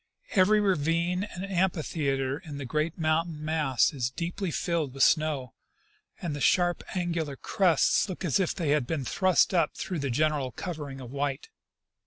Every ravine and amphitheatre in the great mountain mass is deeply filled with snow, and the sharp angular crests look as if they had been thrust up through the general covering of white.